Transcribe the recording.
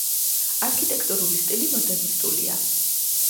არქიტექტურული სტილი მოდერნისტულია.